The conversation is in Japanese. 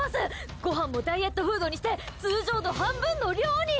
ごはんもダイエットフードにして通常の半分の量に！